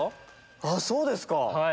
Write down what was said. あっそうですか。